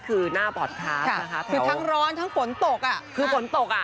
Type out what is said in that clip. คือทั้งร้อนทั้งฝนตก